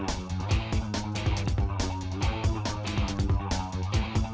aduh aduh aduh aduh